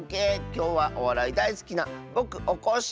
きょうはおわらいだいすきなぼくおこっしぃ